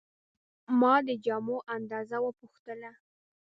ما د جامو اندازه وپوښتله.